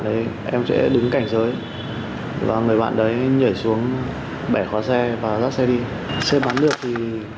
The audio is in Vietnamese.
đấy em sẽ đứng cạnh dưới và người bạn đấy nhảy xuống bẻ khóa xe và dắt xe đi xe bắn được thì